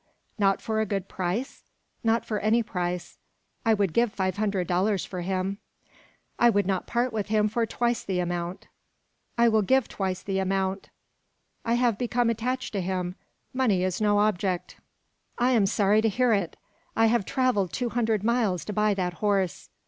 "Not for a good price?" "Not for any price." "I would give five hundred dollars for him." "I would not part with him for twice the amount." "I will give twice the amount." "I have become attached to him: money is no object." "I am sorry to hear it. I have travelled two hundred miles to buy that horse."